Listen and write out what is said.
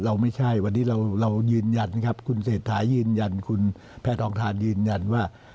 ไม่ใช่วันนี้เรายืนยันนะครับคุณเศรษฐายืนยันคุณแพทองทานยืนยันว่า